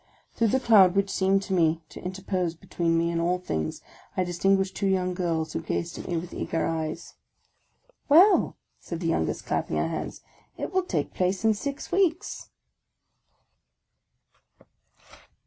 Through the cloud which seemed to me to interpose between me and all things, I distinguished two young girls who gazed at me with eager eyes. OF A CONDEMNED 45 " Well," said the youngest, clapping her hands," it will take 'place in six weeks."